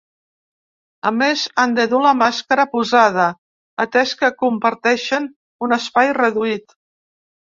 A més, han de dur la màscara posada, atès que comparteixen un espai reduït.